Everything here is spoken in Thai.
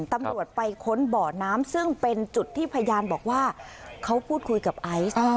ตำรวจไปค้นบ่อน้ำซึ่งเป็นจุดที่พยานบอกว่าเขาพูดคุยกับไอซ์